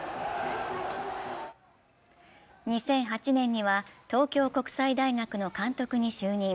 ２００８年には東京国際大学の監督に就任。